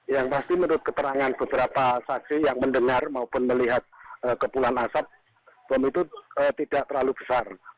yang pasti menurut keterangan beberapa saksi yang mendengar maupun melihat kepulan asap bom itu tidak terlalu besar